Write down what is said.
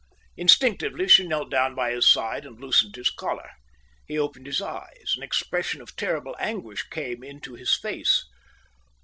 Instinctively she knelt down by his side and loosened his collar. He opened his eyes. An expression of terrible anguish came into his face.